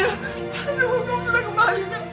kamu sudah kembali